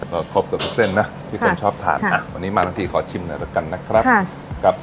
ก็ครบเกือบทุกเส้นนะที่คนชอบทานอ่ะวันนี้มาทั้งทีขอชิมหน่อยแล้วกันนะครับ